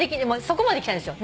そこまできたんですよ。